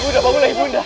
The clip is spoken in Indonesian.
ibu dia bangunlah ibu dia